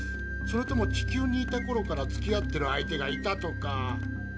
それとも地球にいたころからつきあってる相手がいたとか。